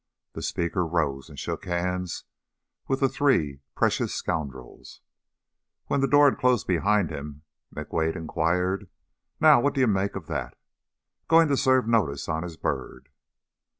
The speaker rose and shook hands with the three precious scoundrels. When the door had closed behind him McWade inquired: "Now what do you make of that? Going to serve notice on his bird!"